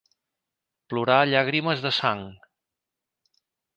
Plorar llàgrimes de sang.